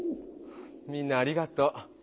みんなありがとう。